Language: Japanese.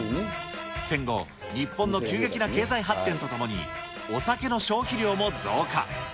戦後、日本の急激な経済発展とともに、お酒の消費量も増加。